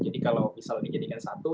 jadi kalau misalnya dijadikan satu